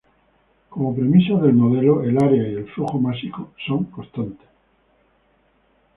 Como premisas del modelo, el área y el flujo másico son constantes.